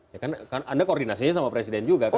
ya kan anda koordinasinya sama presiden juga kan